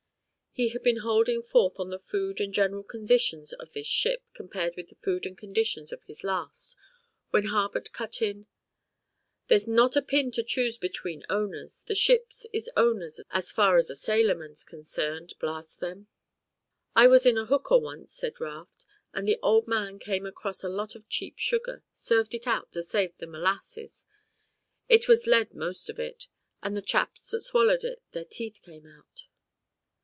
He had been holding forth on the food and general conditions of this ship compared with the food and conditions of his last, when Harbutt cut in. "There's not a pin to choose between owners, and ships is owners as far as a sailorman's concerned. Blast them." "I was in a hooker once," said Raft, "and the Old Man came across a lot of cheap sugar, served it out to save the m'lasses. It was lead, most of it, and the chaps that swallowed it their teeth came out."